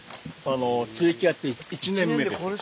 接ぎ木やって１年目です。